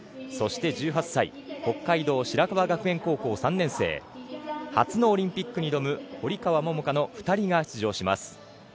そして１８歳、北海道白樺学園高校３年生、初のオリンピックに挑む堀川桃香の２人が出場します。